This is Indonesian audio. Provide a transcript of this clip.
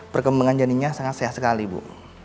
perkembangan janinnya sangat sehat sekali bu